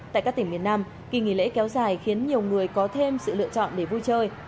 tại các tỉnh miền nam kỳ nghỉ lễ kéo dài khiến nhiều người có thêm sự lựa chọn để vui chơi